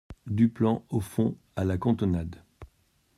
Duplan au fond , à la cantonade.